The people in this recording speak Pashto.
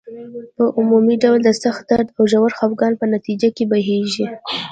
په عمومي ډول د سخت درد او ژور خپګان په نتیجه کې بهیږي.